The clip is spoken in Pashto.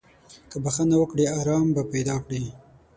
که بخښنه وکړې، ارام به پیدا کړې.